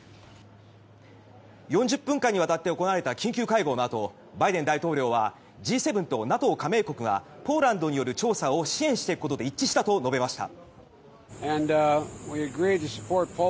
４０分間にわたって行われた緊急会合のあとバイデン大統領はＧ７とＮＡＴＯ加盟国がポーランドによる調査を支援していくことで一致したと述べました。